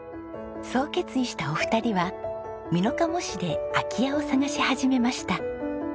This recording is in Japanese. そう決意したお二人は美濃加茂市で空き家を探し始めました。